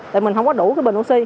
tại mình không có đủ cái bệnh oxy